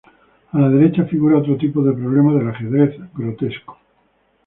A la derecha figura otro tipo de problema del ajedrez grotesco.